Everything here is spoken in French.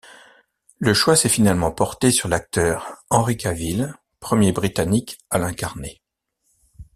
Le choix s'est finalement porté sur l'acteur Henry Cavill, premier britannique à l'incarner.